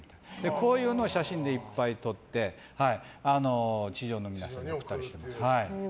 こういうのを写真でいっぱい撮って地上の皆さんに送ったりします。